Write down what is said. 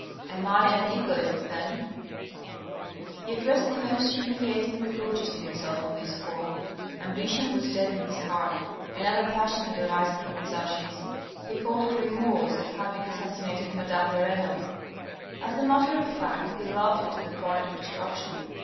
Am I an egoist, then ?" He addressed the most humiliating re proaches to himself on this score. Ambition was dead in his heart ; another passion had arisen from its ashes. He called it remorse at having assassinated madame de Renal. As a matter of fact, he loved her to the point of distraction.